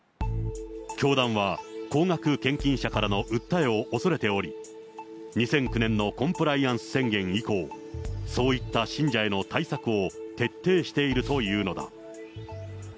教団は、高額献金者からの訴えを恐れており、２００９年のコンプライアンス宣言以降、そういった信者への対策を徹底しているというのだ。